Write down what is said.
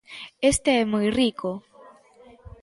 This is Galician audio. Este é moi rico.